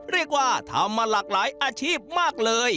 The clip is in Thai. เรียกว่าทำมาหลากหลายอาชีพมากเลย